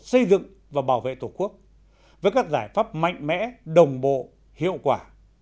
xây dựng và bảo vệ tổ quốc với các giải pháp mạnh mẽ đồng bộ hiệu quả